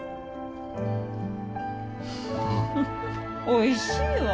おいしいわ。